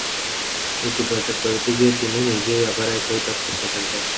নীতি প্রচার করিতে গিয়া তিনি নিজেই আবার সেই একই তত্ত্ব প্রচার করেন।